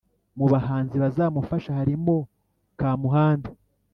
Mu bahanzi bazamufasha harimo kamuhanda